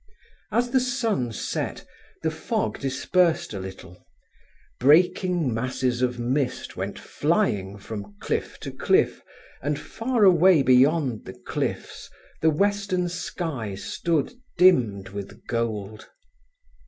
As the sun set, the fog dispersed a little. Breaking masses of mist went flying from cliff to cliff, and far away beyond the cliffs the western sky stood dimmed with gold.